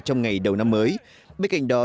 trong ngày đầu năm mới bên cạnh đó